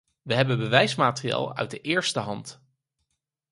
We hebben bewijsmateriaal uit de eerste hand.